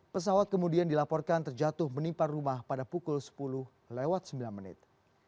pesawat kemudian dilaporkan terjatuh menimpa rumah pada pukul sepuluh lewat sembilan menit